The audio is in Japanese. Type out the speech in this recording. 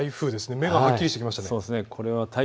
目がはっきりしてきましたね。